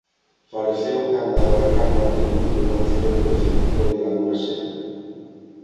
Faleceu canda a Bernat Martínez nun accidente no circuíto de Laguna Seca.